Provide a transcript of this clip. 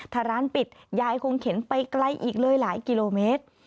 ถ้าร้านปิดยายคงเข็นไปไกลอีกเลยหลายกิโลเมตร